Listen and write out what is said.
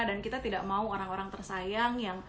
dan kita tidak mau orang orang tersayang